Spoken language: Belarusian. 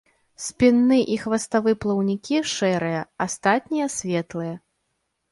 Спінны і хваставы плаўнікі шэрыя, астатнія светлыя.